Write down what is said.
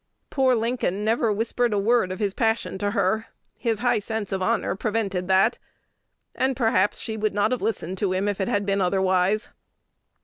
Poor Lincoln never whispered a word of his passion to her: his high sense of honor prevented that, and perhaps she would not have listened to him if it had been otherwise.